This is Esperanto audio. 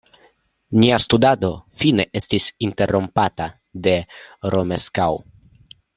Nia studado fine estis interrompata de Romeskaŭ.